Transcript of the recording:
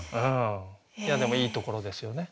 でもいいところですよね。